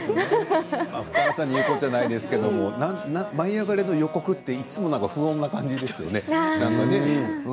福原さんに言うことじゃないですけれども「舞いあがれ！」の予告っていつも不穏な感じですよね。